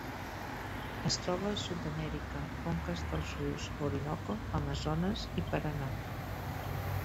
Es troba a Sud-amèrica: conques dels rius Orinoco, Amazones i Paranà.